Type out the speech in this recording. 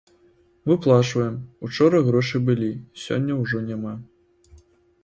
Выплачваем, учора грошы былі, сёння ўжо няма.